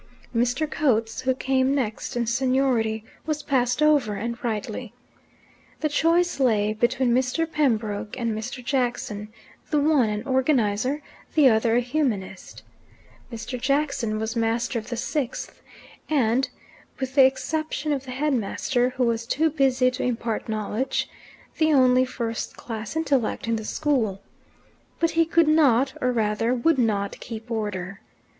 Mr. Coates, who came next in seniority, was passed over, and rightly. The choice lay between Mr. Pembroke and Mr. Jackson, the one an organizer, the other a humanist. Mr. Jackson was master of the Sixth, and with the exception of the headmaster, who was too busy to impart knowledge the only first class intellect in the school. But he could not or rather would not, keep order.